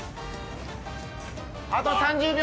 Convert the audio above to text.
あと３０秒！